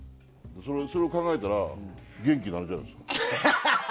それを考えたら元気になるじゃないですか。